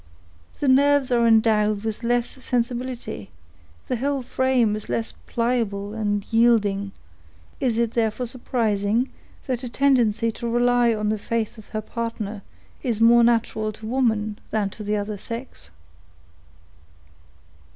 The nerves are endowed with less sensibility; the whole frame is less pliable and yielding; is it therefore surprising, that a tendency to rely on the faith of her partner is more natural to woman than to the other sex?"